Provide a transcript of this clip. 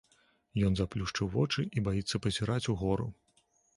Ён заплюшчыў вочы і баіцца пазіраць угору.